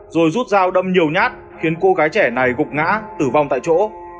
rồi rút dao đâm nhiều nhát khiến cô gái trẻ này gục ngã tử vong tại chỗ